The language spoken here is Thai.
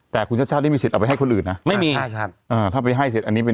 แต่คนชาติชาติไม่มีศิลป์